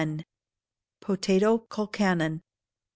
Potato Colcanon.